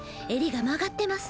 襟が曲がってます。